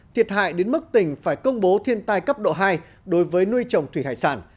thiệt hại đến mức tỉnh phải công bố thiên tai cấp độ hai đối với nuôi trồng thủy hải sản